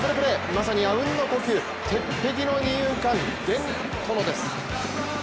まさににあうんの呼吸、鉄壁の二遊間、ゲントノです。